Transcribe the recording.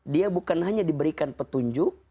dia bukan hanya diberikan petunjuk